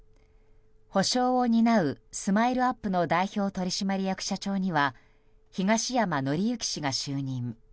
補償を担うＳＭＩＬＥ‐ＵＰ．の代表取締役社長には東山紀之氏が就任。